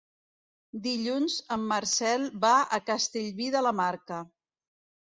Dilluns en Marcel va a Castellví de la Marca.